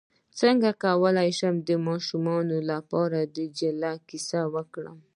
څنګه کولی شم د ماشومانو لپاره د دجال کیسه وکړم